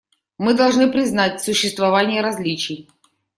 Мы должны признать существование различий.